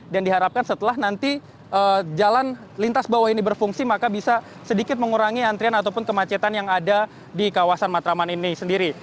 dan diharapkan setelah nanti jalan lintas bawah ini berfungsi maka bisa sedikit mengurangi antrian ataupun kemacetan yang ada di kawasan matraman ini sendiri